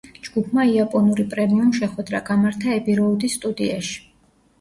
ჯგუფმა იაპონური პრემიუმ შეხვედრა გამართა ები-როუდის სტუდიაში.